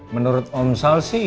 menurut omsal sih